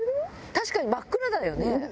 確かに真っ暗だよね。